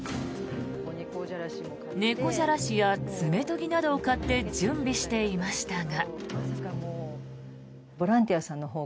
猫じゃらしや爪研ぎなどを買って準備していましたが。